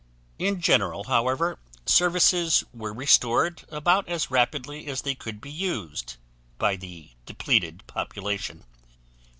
In general however services were restored about as rapidly as they could be used by the depleted population.